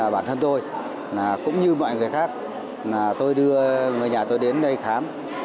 bản thân tôi cũng như mọi người khác tôi đưa người nhà tôi đến đây khám